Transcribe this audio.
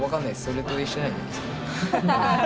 それと一緒じゃないんですか。